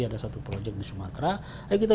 ada satu project di sumatera ayo kita